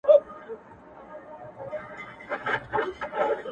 بله چي وي راز د زندګۍ لري -